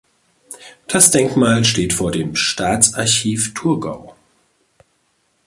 Das Denkmal steht vor dem Staatsarchiv Thurgau.